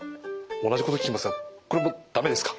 同じこと聞きますがこれもダメですか？